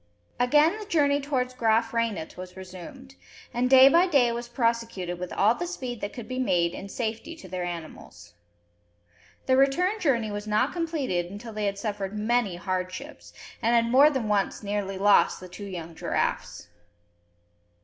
Again the journey towards Graaf Reinet was resumed, and day by day was prosecuted with all the speed that could be made in safety to their animals. The return journey was not completed until they had suffered many hardships, and had more than once nearly lost the two young giraffes.